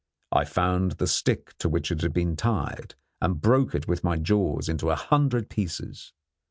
I found the stick to which it had been tied and broke it with my jaws into a hundred pieces.